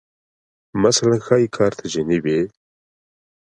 مثلاً ښایي کارتیجني وې